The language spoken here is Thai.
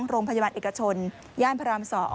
โรงพยาบาลเอกชนย่านพระราม๒